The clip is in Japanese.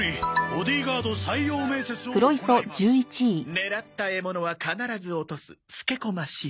狙った獲物は必ず落とす須毛駒志郎。